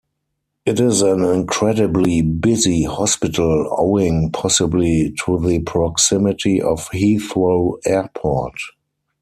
It is an incredibly busy hospital, owing possibly to the proximity of Heathrow Airport.